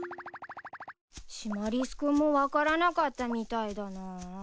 シマリス君も分からなかったみたいだなぁ。